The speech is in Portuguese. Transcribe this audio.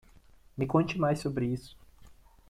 Me conte mais sobre isso.